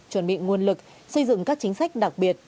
chuẩn bị nguồn lực xây dựng các chính sách đặc biệt